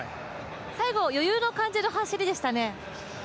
最後、余裕の感じの走りでしたね。